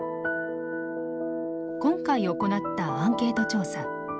今回行ったアンケート調査。